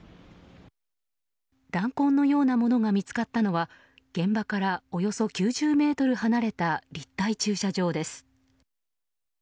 弾痕のようなものが見つかったのは現場からおよそ９０ｍ離れた立体駐車場です。